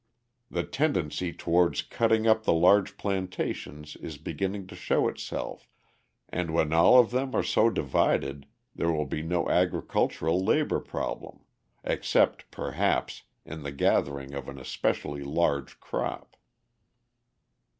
The tendency towards cutting up the large plantations is beginning to show itself, and when all of them are so divided, there will be no agricultural labour problem, except, perhaps, in the gathering of an especially large crop.